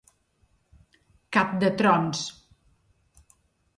Cap de trons.